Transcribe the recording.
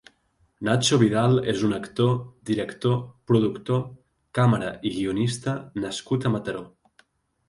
Nacho Vidal és un actor, director, productor, càmera i guionista nascut a Mataró.